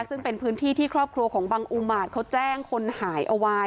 ซึ่งเป็นพื้นที่ที่ครอบครัวของบังอุมาตย์เขาแจ้งคนหายเอาไว้